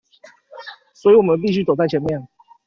所以我們必須走在前面